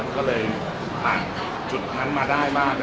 มันก็เลยผ่านจุดนั้นมาได้มาก